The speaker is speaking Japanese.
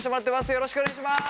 よろしくお願いします。